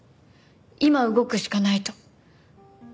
今動くしかないと。